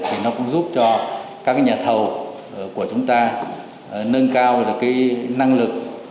thì nó cũng giúp cho các nhà thầu của chúng ta nâng cao được cái năng lực